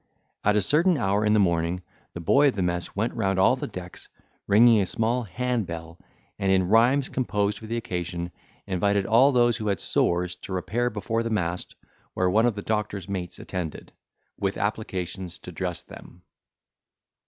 At a certain hour in the morning, the boy of the mess went round all the decks, ringing a small hand bell, and, in rhymes composed for the occasion, invited all those who had sores to repair before the mast, where one of the doctor's mates attended, with applications to dress them.